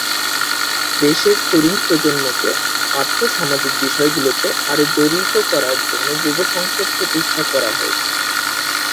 দেশের তরুণ প্রজন্মকে আর্থসামাজিক বিষয়গুলোতে আরও জড়িত করার জন্য যুব সংসদ প্রতিষ্ঠা করা হয়েছে।